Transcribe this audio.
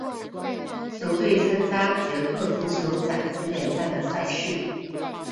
球队参加捷克足球甲级联赛的赛事。